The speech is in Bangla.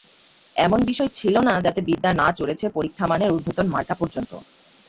এমন বিষয় ছিল না যাতে বিদ্যা না চড়েছে পরীক্ষামানের ঊর্ধ্বতম মার্কা পর্যন্ত।